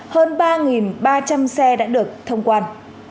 hơn ba ba trăm linh xe đã được thông quan